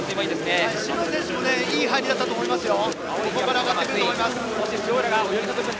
塩浦選手もいい入りだったと思いますよ。